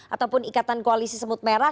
ataupun ikatan koalisi semut merah